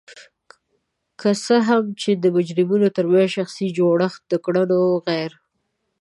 که څه هم چې د مجرمینو ترمنځ د شخصیتي جوړخت د کړنو غیر